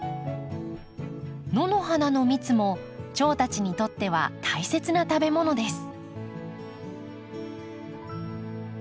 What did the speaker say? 野の花の蜜もチョウたちにとっては大切な食べ物です。